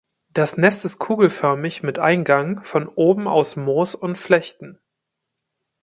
Das Nest ist kugelförmig mit Eingang von oben aus Moos und Flechten.